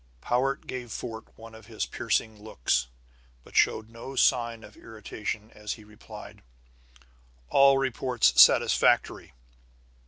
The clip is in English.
Powart gave Fort one of his piercing looks, but showed no sign of irritation as he replied: "All reports satisfactory.